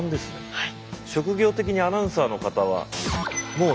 はい。